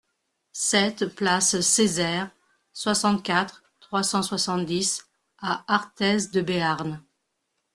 sept place Cezaire, soixante-quatre, trois cent soixante-dix à Arthez-de-Béarn